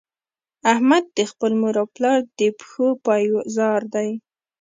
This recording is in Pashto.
احمد د خپل مور او پلار د پښو پایزار دی.